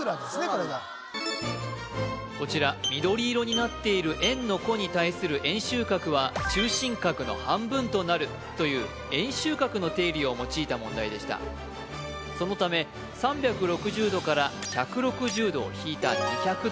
これがそうなんだこちら緑色になっている円の弧に対する円周角は中心角の半分となるという円周角の定理を用いた問題でしたそのため３６０°から１６０°を引いた２００°が中心角となり